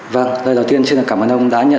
vâng lời đầu tiên xin cảm ơn ông đã nhận